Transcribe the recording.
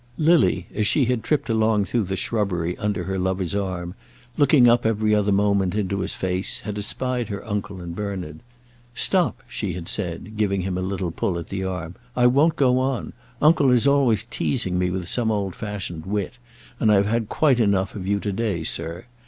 Lily, as she had tripped along through the shrubbery, under her lover's arm, looking up, every other moment, into his face, had espied her uncle and Bernard. "Stop," she had said, giving him a little pull at the arm; "I won't go on. Uncle is always teasing me with some old fashioned wit. And I've had quite enough of you to day, sir.